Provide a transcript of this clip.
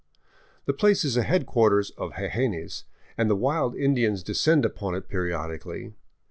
The place is a headquarters of jejenes, and the wild Indians descend upon it periodically.